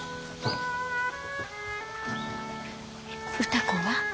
歌子は？